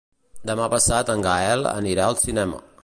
Demà passat en Gaël anirà al cinema.